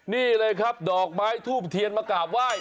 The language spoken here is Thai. นี่เลยครับดอกไม้ทูบเทียนมากราบไหว้